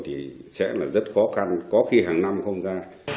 thì sẽ là rất khó khăn có khi hàng năm không ra